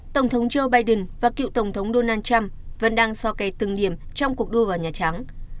tổng thống joe biden và cựu tổng thống donald trump vẫn đang so kẻ từng điểm trong cuộc đua vào nhà trắng